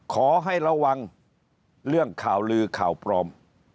ขอให้ระวังเรื่องข่าวลือข่าวปลอม